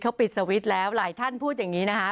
เขาปิดสวิตช์แล้วหลายท่านพูดอย่างนี้นะคะ